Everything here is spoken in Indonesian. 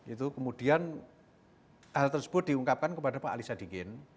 itu kemudian hal tersebut diungkapkan kepada pak alisa dikin